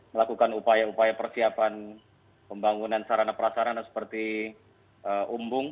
melakukan upaya upaya persiapan pembangunan sarana prasarana seperti umbung